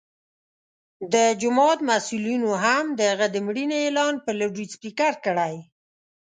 د جومات مسؤلینو هم د هغه د مړینې اعلان په لوډسپیکر کړی.